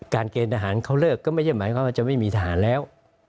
เกณฑ์ทหารเขาเลิกก็ไม่ใช่หมายความว่าจะไม่มีทหารแล้ว